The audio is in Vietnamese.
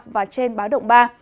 và trên báo động ba